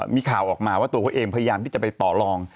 มีข่าวออกมาว่าตัวเขาเองพยายามที่จะไปต่อลอง